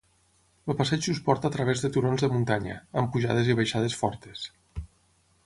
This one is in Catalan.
El passeig us porta a través de turons de muntanya, amb pujades i baixades fortes.